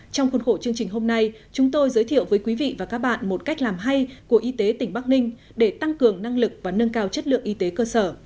trong khuôn khổ chương trình hôm nay chúng tôi giới thiệu với quý vị và các bạn một cách làm hay của y tế tỉnh bắc ninh để tăng cường năng lực và nâng cao chất lượng y tế cơ sở